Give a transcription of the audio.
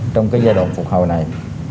trong cái giai đoạn phục hồi này